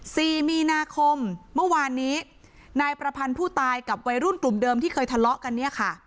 สี่มีนาคมเมื่อวานนี้นายประพันธ์ผู้ตายกับวัยรุ่นกลุ่มเดิมที่เคยทะเลาะกันเนี่ยค่ะ